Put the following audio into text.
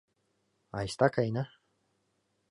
Айста, каена!..